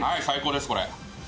最高ですこれ。